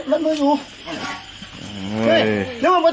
มันอบอย่างเฮ้ย